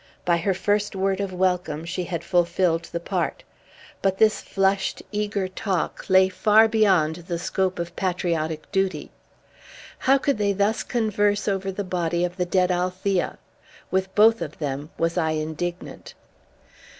By her first word of welcome she had fulfilled the part. But this flushed, eager talk lay far beyond the scope of patriotic duty. How could they thus converse over the body of the dead Althea? With both of them was I indignant.